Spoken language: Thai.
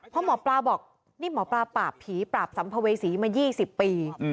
เพราะหมอปลาบอกนี่หมอปลาปราบผีปราบสัมภเวษีมา๒๐ปี